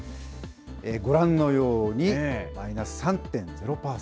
ご覧のように、マイナス３．０％。